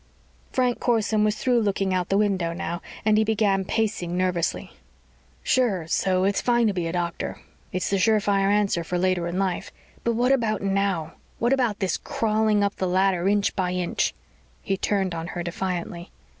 Frank Corson was through looking out the window now and he began pacing nervously. "Sure so it's fine to be a doctor. It's the sure fire answer for later in life. But what about now? What about this crawling up the ladder inch by inch?" He turned on her defiantly.